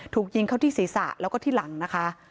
ถูกยิงเข้าที่ศีรษะแล้วก็ที่หลังนะคะ